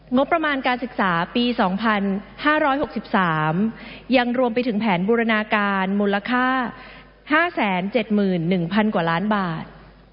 งบประมาณการศึกษาปี๒๕๖๓ยังรวมไปถึงแผนบูรณาการมูลค่า๕๗๑๐๐๐กว่าล้านบาท